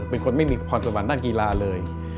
เป็นคนไม่มีความสะวันด้านกีฬาเลย